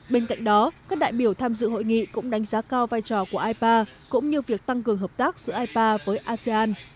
bên cạnh đó các đại biểu tham dự hội nghị cũng đánh giá cao vai trò của ipa cũng như việc tăng cường hợp tác giữa ipa với asean